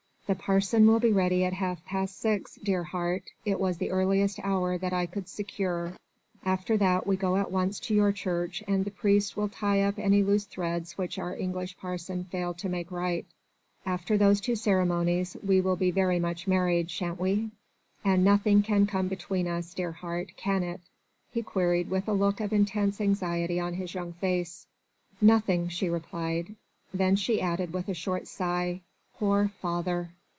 "The parson will be ready at half past six, dear heart, it was the earliest hour that I could secure ... after that we go at once to your church and the priest will tie up any loose threads which our English parson failed to make tight. After those two ceremonies we shall be very much married, shan't we?... and nothing can come between us, dear heart, can it?" he queried with a look of intense anxiety on his young face. "Nothing," she replied. Then she added with a short sigh: "Poor father!"